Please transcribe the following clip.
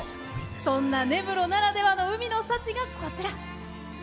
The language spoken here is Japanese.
そんな根室ならではの海の幸がこちら。